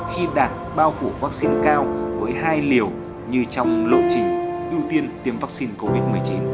khi đạt bao phủ vắc xin cao với hai liều như trong lộ trình ưu tiên tiêm vắc xin covid một mươi chín